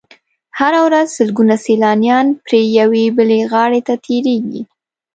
هره ورځ سلګونه سیلانیان پرې یوې بلې غاړې ته تېرېږي.